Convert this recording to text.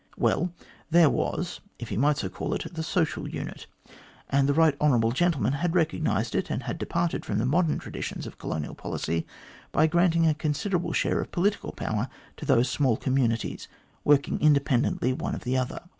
Well, there was if he might so call it the social unit, and the right hon. gentleman had recognised it, and had departed from the modern traditions of colonial policy by granting a considerable share of political power to those small communities, working independently one of the other.